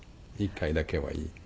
１回だけはいい。